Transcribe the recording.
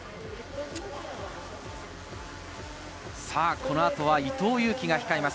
この後は伊藤有希が控えます。